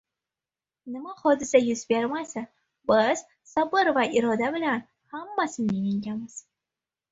Nima hodisa yuz bermasin, biz sabr va iroda bilan hammasini yengamiz.